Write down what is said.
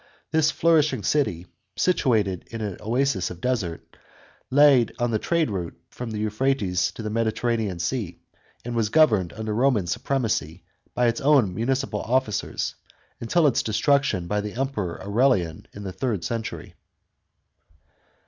This flourishing city, situated in an oasis of the desert, lay on the trade route from the Euphrates to the Mediterranean Sea, and was governed, under Koman supremacy, by its own municipal officers, until its destruction by the Emperor Aurelian in the third century.